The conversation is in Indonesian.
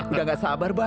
sudah tidak sabar bah